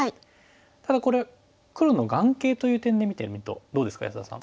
ただこれ黒の眼形という点で見てみるとどうですか安田さん。